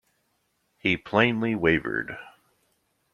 He plainly wavered.